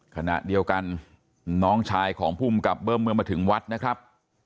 ขณะเดียวกันน้องชายของภูมิกับเบิ้มเมื่อมาถึงวัดนะครับ